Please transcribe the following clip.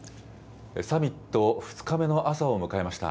サミット２日目の朝を迎えました。